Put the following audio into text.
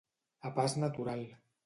A pas natural.